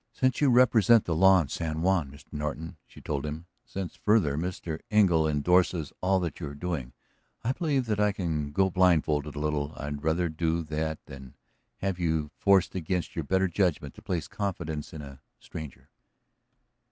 "Since you represent the law in San Juan, Mr. Norton," she told him, "since, further, Mr. Engle indorses all that you are doing, I believe that I can go blindfolded a little. I'd rather do that than have you forced against your better judgment to place confidence in a stranger."